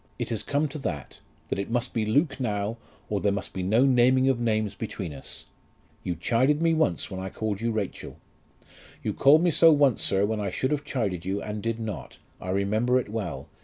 It has come to that, that it must be Luke now, or there must be no naming of names between us. You chided me once when I called you Rachel." "You called me so once, sir, when I should have chided you and did not. I remember it well.